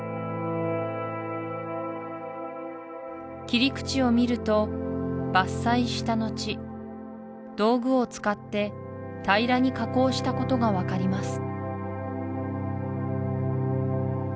切り口を見ると伐採した後道具を使って平らに加工したことが分かります